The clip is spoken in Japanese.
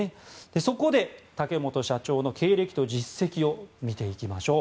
そこで竹本社長の経歴と実績を見ていきましょう。